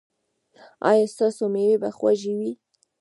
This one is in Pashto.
ایا ستاسو میوې به خوږې وي؟